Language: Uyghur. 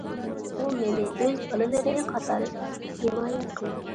ئۇ مېنى ئۆز بالىلىرى قاتارىدا ھىمايە قىلدى.